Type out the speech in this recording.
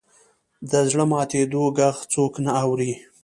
د زړه ماتېدو ږغ څوک نه اوري.